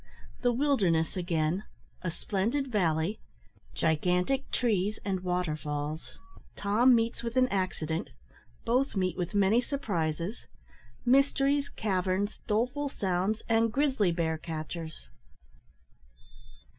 THE WILDERNESS AGAIN A SPLENDID VALLEY GIGANTIC TREES AND WATERFALLS TOM MEETS WITH AN ACCIDENT BOTH MEET WITH MANY SURPRISES MYSTERIES, CAVERNS, DOLEFUL SOUNDS, AND GRIZZLY BEAR CATCHERS.